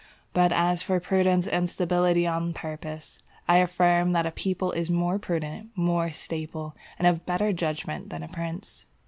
But as for prudence and stability of purpose, I affirm that a people is more prudent, more stable, and of better judgment than a prince.